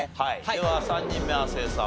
では３人目亜生さん